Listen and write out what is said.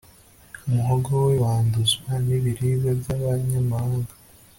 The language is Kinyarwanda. umuhogo we wanduzwa n'ibiribwa by'abanyamahanga